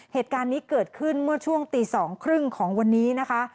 เหตุการณ์นี้เกิดขึ้นเมื่อช่วงตี๒๓๐ของวันนี้นะคะ